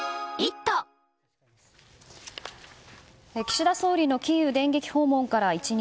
岸田総理のキーウ電撃訪問から１日。